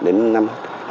đến năm hai nghìn hai mươi